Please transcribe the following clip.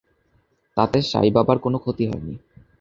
তাতে সাই বাবার কোনো ক্ষতি হয়নি।